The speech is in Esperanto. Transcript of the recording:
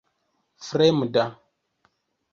fremda